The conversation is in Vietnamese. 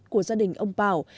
của gia đình ông bảo